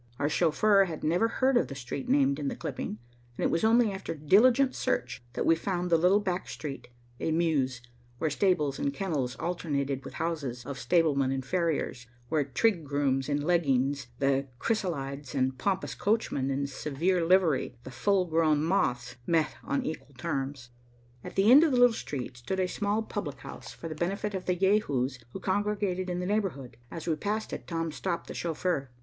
Our chauffeur had never heard of the street named in the clipping, and it was only after diligent search that we found the little back street, a mews, where stables and kennels alternated with houses of stablemen and farriers, where trig grooms in leggings the chrysalides, and pompous coachmen in severe livery the full grown moths, met on equal terms. At the end of the little street stood a small public house for the benefit of the Jehus who congregated in the neighborhood. As we passed it, Tom stopped the chauffeur.